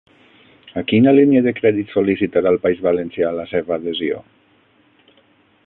A quina línia de crèdit sol·licitarà el País Valencià la seva adhesió?